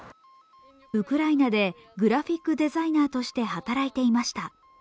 ウクライナでグラフィックデザイナーとして働いていました。